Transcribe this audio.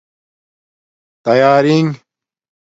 تیارنگ